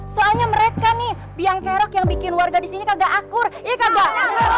soalnya mereka nih biangkerok yang bikin warga di sini kagak akur ya kagak